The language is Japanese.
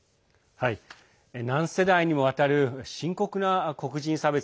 何世代にもわたる深刻な黒人差別。